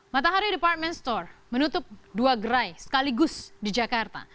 matahari department store menutup dua gerai sekaligus di jakarta